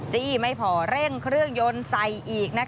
จี้ไม่พอเร่งเครื่องยนต์ใส่อีก